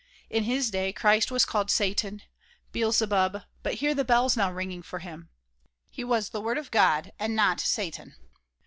In his day Christ was called satan, beclzebub, but hear the bells now ringing for him ! He was the Word of God and not satan.